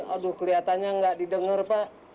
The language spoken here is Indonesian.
aduh kelihatannya nggak didengar pak